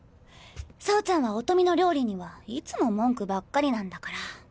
走ちゃんは音美の料理にはいつも文句ばっかりなんだから。